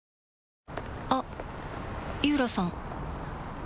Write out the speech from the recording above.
あっ井浦さん